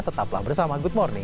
tetaplah bersama good morning